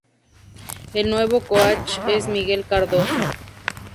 El nuevo coach es Miguel Cardoso.